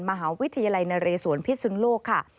มหาวิทยาลัยนเรศวรพิสุนโลกค่ะ